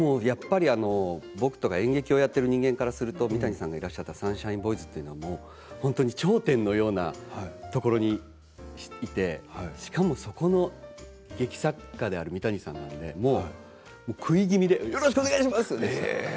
僕とか演劇をやってる人間からすると三谷さんがいらっしゃったサンシャインボーイズは頂点のようなところにいてしかもあそこの劇作家である三谷さんなので食い気味でよろしくお願いしますと。